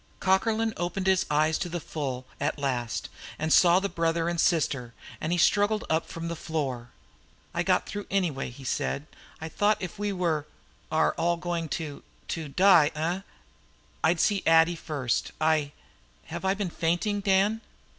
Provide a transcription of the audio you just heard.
Cockerlyne opened his eyes to the full at last, and saw the brother and sister, and he struggled up from the floor. "I got through, anyway," he said. "I thought that if we are all going to to die, eh? I'd see Addie first. I have I been fainting, Dan?"